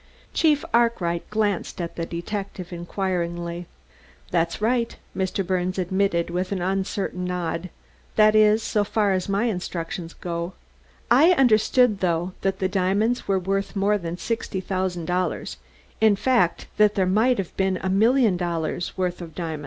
Chief Arkwright glanced at the detective inquiringly. "That's right," Mr. Birnes admitted with an uncertain nod "that is, so far as my instructions go. I understood, though, that the diamonds were worth more than sixty thousand dollars; in fact, that there might have been a million dollars' worth of them."